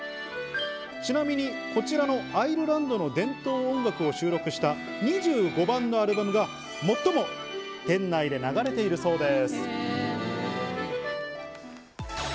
ちなみにこちらのアイルランドの伝統音楽を収録した２５番のアルバムが最も店内で流れているそうです。